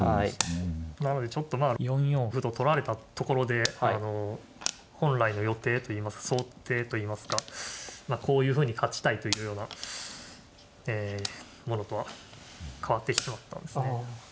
なのでちょっと４四歩と取られたところで本来の予定といいますか想定といいますかこういうふうに勝ちたいというようなものとは変わってきてしまったんですね。